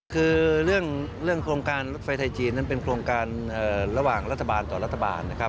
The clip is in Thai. คือเรื่องโครงการรถไฟไทยจีนนั้นเป็นโครงการระหว่างรัฐบาลต่อรัฐบาลนะครับ